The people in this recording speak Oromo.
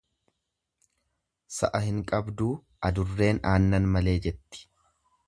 Sa'a hin qabduu adurreen aanan malee jetti.